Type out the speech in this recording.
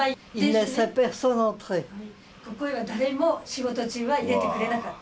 ここへは誰も仕事中は入れてくれなかった。